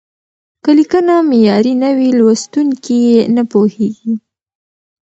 که لیکنه معیاري نه وي، لوستونکي یې نه پوهېږي.